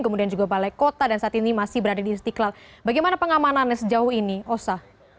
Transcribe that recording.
kemudian juga balai kota dan saat ini masih berada di istiqlal bagaimana pengamanannya sejauh ini osa